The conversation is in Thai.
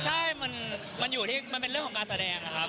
ใช่มันอยู่ที่มันเป็นเรื่องของการแสดงนะครับ